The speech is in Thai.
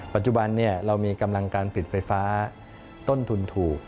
ปัจจุบันเรามีกำลังการผลิตไฟฟ้าต้นทุนถูก